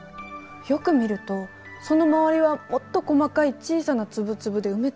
よく見るとその周りはもっと細かい小さな粒々で埋め尽くされてる。